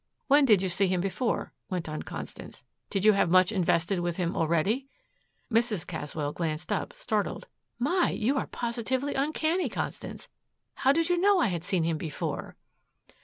"When did you see him before?" went on Constance. "Did you have much invested with him already?" Mrs. Caswell glanced up, startled. "My you are positively uncanny, Constance. How did you know I had seen him before?"